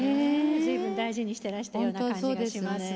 随分大事にしてらしたような感じがしますね。